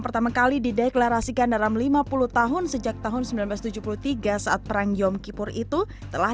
pertama kali dideklarasikan dalam lima puluh tahun sejak tahun seribu sembilan ratus tujuh puluh tiga saat perang yom kipur itu telah